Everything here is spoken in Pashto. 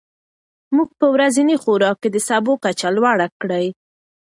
موږ په ورځني خوراک کې د سبو کچه لوړه کړې.